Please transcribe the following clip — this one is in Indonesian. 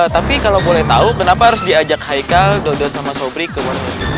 tapi kalau boleh tahu kenapa harus diajak haikal dodot sama sobri ke market